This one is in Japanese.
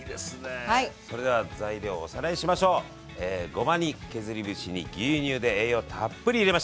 ごまに削り節に牛乳で栄養たっぷり入れました！